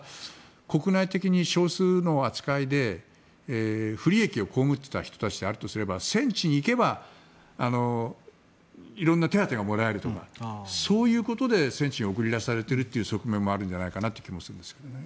ただ、国内的に少数の扱いで不利益を被っていた人たちであるとすれば戦地に行けば色んな手当てがもらえるとかそういうことで戦地に送り出されている側面もあるんじゃないかなという気もするんですけどね。